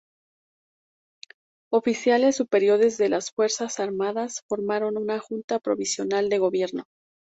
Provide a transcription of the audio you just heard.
Oficiales superiores de las Fuerzas Armadas formaron una Junta Provisional de Gobierno.